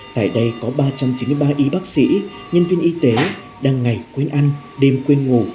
tại đây có ba trăm chín mươi ba y bác sĩ nhân viên y tế đang ngày quên ăn đêm quên ngủ